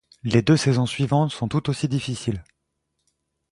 Les deux saisons suivantes sont tout aussi difficiles.